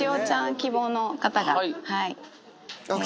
希望の方が。